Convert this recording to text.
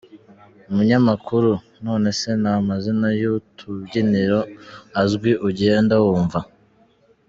Umunyamakuru: None se nta n'amazina y'utubyiniro azwi ugenda wumva?.